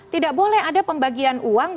tidak boleh ada pembagian uang